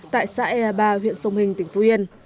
tại xã ea ba huyện sông hình tỉnh phú yên